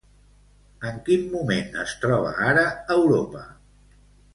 En quin moment es troba ara Europa?